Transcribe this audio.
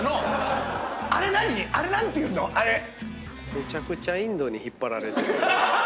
めちゃくちゃインドに引っ張られてる。